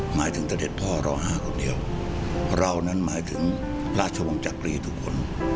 หมายถึงเสด็จพ่อรอ๕คนเดียวเรานั้นหมายถึงราชวงศ์จักรีทุกคน